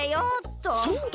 そうだ！